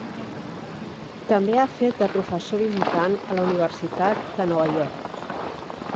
També ha fet de professor visitant a la Universitat de Nova York.